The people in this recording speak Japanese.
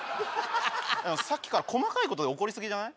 さっきから細かいことで怒りすぎじゃない？